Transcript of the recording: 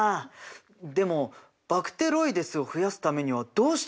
でもバクテロイデスを増やすためにはどうしたらいいんだろ？